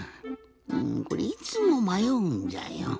うんこれいつもまようんじゃよ。